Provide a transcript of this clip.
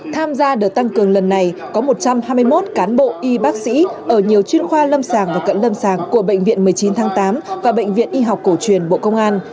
tham gia đợt tăng cường lần này có một trăm hai mươi một cán bộ y bác sĩ ở nhiều chuyên khoa lâm sàng và cận lâm sàng của bệnh viện một mươi chín tháng tám và bệnh viện y học cổ truyền bộ công an